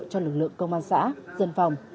cho lực lượng công an xã dân phòng